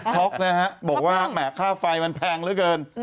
็อกนะฮะบอกว่าแหมค่าไฟมันแพงเหลือเกิน